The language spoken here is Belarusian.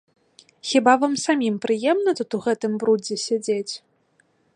Хіба вам самім прыемна тут у гэтым брудзе сядзець?